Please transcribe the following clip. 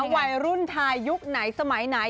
วัยรุ่นไทยยุคไหนสมัยไหน